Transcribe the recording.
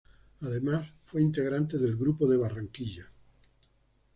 Además, fue integrante del Grupo de Barranquilla.